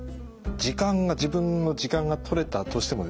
自分の時間が取れたとしてもですね